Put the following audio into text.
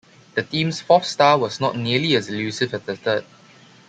The team's fourth star was not nearly as elusive as the third.